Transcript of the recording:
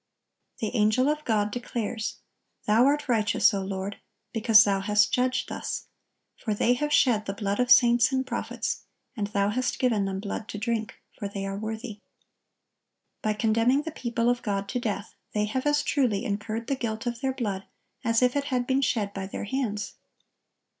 The angel of God declares: "Thou are righteous, O Lord, ... because Thou hast judged thus. For they have shed the blood of saints and prophets, and Thou hast given them blood to drink; for they are worthy."(1075) By condemning the people of God to death, they have as truly incurred the guilt of their blood as if it had been shed by their hands.